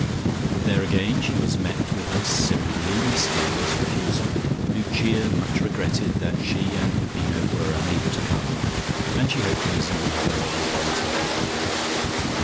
There again she was met with a similarly mysterious refusal. Lucia much regretted that she and Peppino were unable to come, and she hoped Daisy would have a lovely party.